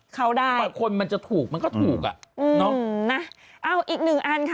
เขาได้มันก็ถูกน่ะอืมนะอีกหนึ่งอันค่ะ